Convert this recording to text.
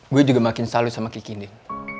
gue juga makin selalu sama kiki din